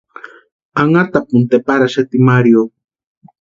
Anhatapuni tʼeparaxati Mario.